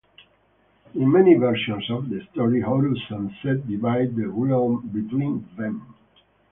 In many versions of the story, Horus and Set divide the realm between them.